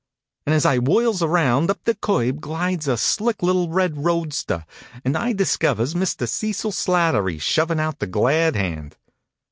And, as I whirls around, up to the curb glides a slick little red roadster, and I dis covers Mr. Cecil Slattery shovin out the glad hand.